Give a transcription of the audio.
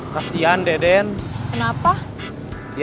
jadi kita mau apa